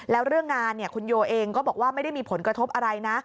แล้วเรื่องงานคุณโยเองก็บอกว่าไม่ได้มีผลกระทบอะไรนะ